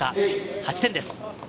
８点です。